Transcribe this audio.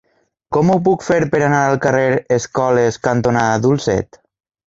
Com ho puc fer per anar al carrer Escoles cantonada Dulcet?